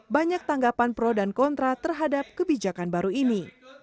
banyak tanggapan pro dan kontra terhadap kebijakan baru ini